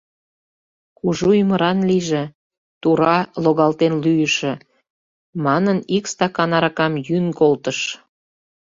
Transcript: — Кужу ӱмыран лийже, тура логалтен лӱйышӧ! — манын ик стакан аракам йӱын колтыш.